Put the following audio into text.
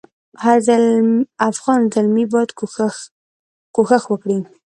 هر افغان زلمی باید کوښښ وکړي.